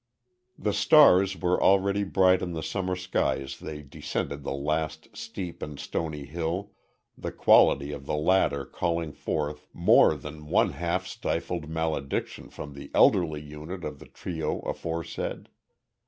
The stars were already bright in the summer sky as they descended the last steep and stony hill, the quality of the latter calling forth more than one half stifled malediction from the elderly unit of the trio aforesaid.